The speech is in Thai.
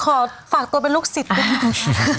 ขอฝากตัวเป็นลูกศิษย์ครับ